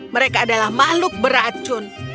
mereka adalah makhluk beracun